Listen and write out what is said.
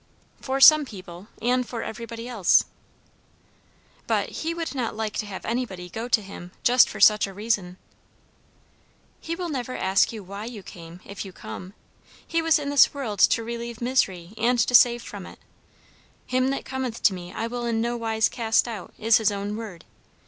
"For some people and for everybody else." "But he would not like to have anybody go to him just for such a reason." "He will never ask why you came, if you come. He was in this world to relieve misery, and to save from it. 'Him that cometh to me I will in no wise cast out,' is his own word.